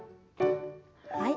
はい。